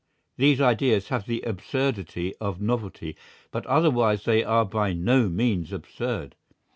These ideas have the absurdity of novelty, but otherwise they are by no means absurd.